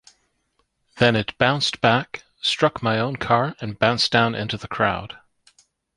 Then it bounced back, struck my own car and bounced down into the crowd.